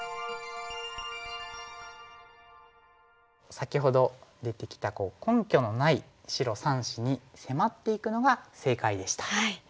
先ほど出てきた根拠のない白３子に迫っていくのが正解でした。